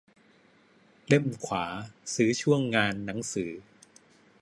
เล่มขวาซื้อช่วงงานหนังสือ